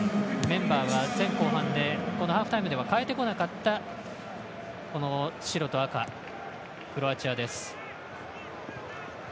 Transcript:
メンバーは前後半でハーフタイムでは代えてこなかった白と赤、クロアチアです。